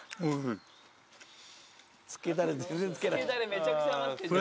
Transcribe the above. めちゃくちゃ余ってる。